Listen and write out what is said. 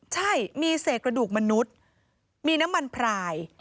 ใช่มีเศษกระดูกมนุษย์มีน้ำมันพราย